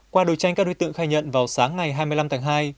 qua đấu tranh các đối tượng khai nhận vào sáng ngày hai mươi năm tháng hai